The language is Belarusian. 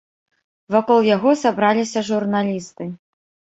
Вакол яго сабраліся журналісты.